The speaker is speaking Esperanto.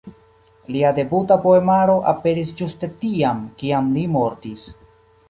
Lia debuta poemaro aperis ĝuste tiam, kiam li mortis.